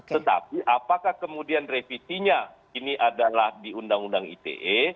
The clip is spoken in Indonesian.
tetapi apakah kemudian revisinya ini adalah di undang undang ite